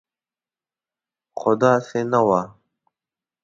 خو داسې نه وه.